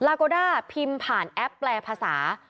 โกด้าพิมพ์ผ่านแอปแปลภาษา